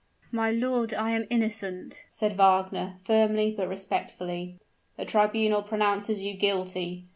"My lord, I am innocent!" said Wagner, firmly but respectfully. "The tribunal pronounces you guilty!"